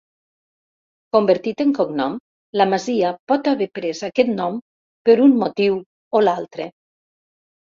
Convertit en cognom, la masia pot haver pres aquest nom per un motiu o l'altre.